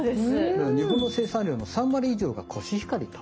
だから日本の生産量の３割以上がコシヒカリと。